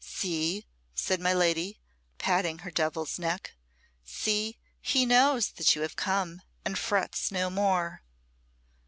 "See!" said my lady, patting her Devil's neck "see, he knows that you have come, and frets no more."